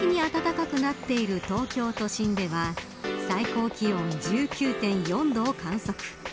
日に日に暖かくなっている東京都心では最高気温１９．４度を観測。